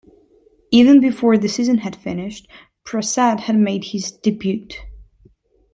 Even before the season had finished, Prasad had made his debut.